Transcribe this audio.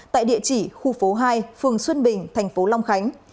tại địa chỉ khu phố hai phường xuân bình tp long khánh